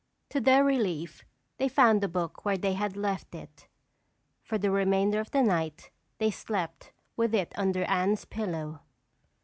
To their relief they found the book where they had left it. For the remainder of the night they slept with it under Anne's pillow.